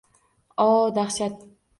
O, dahshat